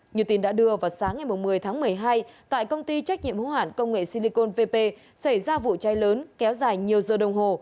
như tin đã đưa vào sáng ngày một mươi tháng một mươi hai tại công ty trách nhiệm hữu hạn công nghệ silicon vp xảy ra vụ cháy lớn kéo dài nhiều giờ đồng hồ